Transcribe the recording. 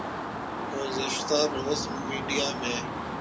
گزشتہ روز میڈیا میں